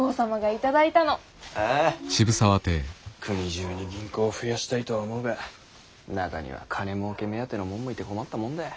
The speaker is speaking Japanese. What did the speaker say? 国中に銀行を増やしたいとは思うが中には金もうけ目当てのもんもいて困ったもんだ。